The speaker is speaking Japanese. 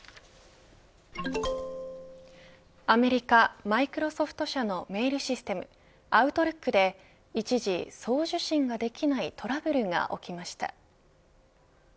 アメリカ、マイクロソフト社のメールシステムアウトルックで一時送受信ができないトラブルが起きました。